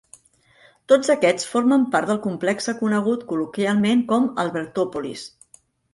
Tots aquests formen part del complexe conegut col·loquialment com Albertopolis.